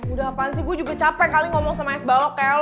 udah apaan sih gue juga capek kali ngomong sama s balok kayak lo